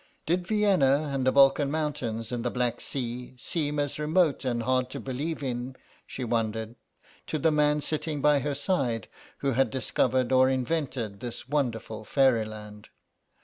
Did Vienna and the Balkan Mountains and the Black Sea seem as remote and hard to believe in, she wondered, to the man sitting by her side, who had discovered or invented this wonderful fairyland?